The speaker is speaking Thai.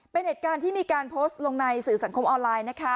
เป็นเหตุการณ์ที่มีการโพสต์ลงในสื่อสังคมออนไลน์นะคะ